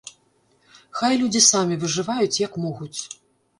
Хай людзі самі выжываюць, як могуць.